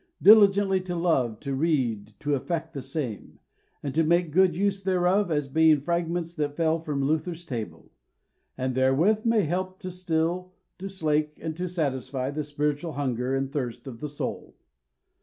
diligently to love, to read, to affect the same, and to make good use thereof, as being fragments that fell from Luther's Table, and therewith may help to still, to slake, and to satisfy the spiritual hunger and thirst of the soul.